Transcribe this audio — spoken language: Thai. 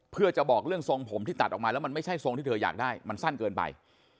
เพื่อจะบอกเรื่องทรงผมที่ตัดออกมาแล้วมันไม่ใช่ทรงที่เธออยากได้มันสั้นเกินไป